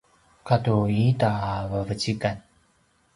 katu ita a vavecikan